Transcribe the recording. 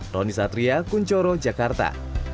roni satria kuncoro jakarta